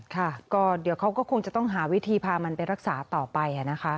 ค่ะก็เดี๋ยวเขาก็คงจะต้องหาวิธีพามันไปรักษาต่อไปนะคะ